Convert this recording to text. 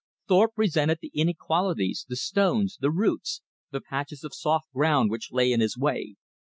Thorpe resented the inequalities, the stones, the roots, the patches of soft ground which lay in his way.